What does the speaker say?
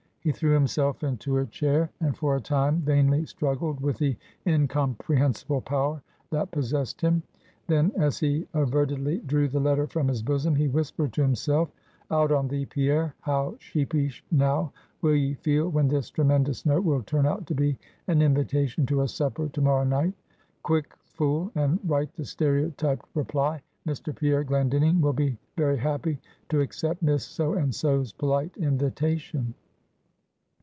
He threw himself into a chair, and for a time vainly struggled with the incomprehensible power that possessed him. Then, as he avertedly drew the letter from his bosom, he whispered to himself Out on thee, Pierre! how sheepish now will ye feel when this tremendous note will turn out to be an invitation to a supper to morrow night; quick, fool, and write the stereotyped reply: Mr. Pierre Glendinning will be very happy to accept Miss so and so's polite invitation.